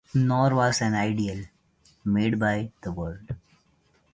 Nor was an idol made by the Word.